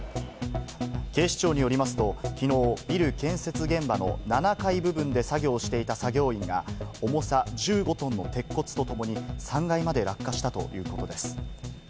警視庁によりますと、きのうビル建設現場の７階部分で作業をしていた作業員が重さ１５トンの鉄骨とともに３階まで落下したということです。